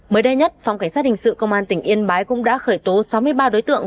mới đây nhất phòng cảnh sát hình sự công an tỉnh yên bái cũng đã khởi tố sáu mươi ba đối tượng